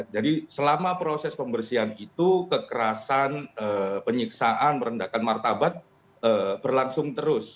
jadi selama proses pembersihan itu kekerasan penyiksaan merendahkan martabat berlangsung terus